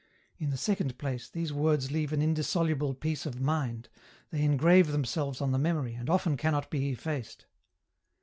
In the second place, these words leave an indis soluble peace of mind, they engrave themselves on the memory, and often cannot be effaced.